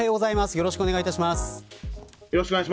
よろしくお願いします。